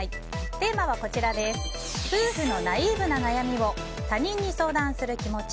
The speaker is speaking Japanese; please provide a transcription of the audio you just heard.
テーマは夫婦のナイーブな悩みを他人に相談する気持ち。